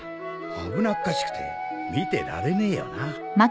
危なっかしくて見てられねえよな。